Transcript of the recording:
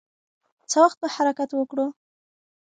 څه وخت به حرکت وکړو؟